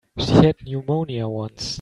She had pneumonia once.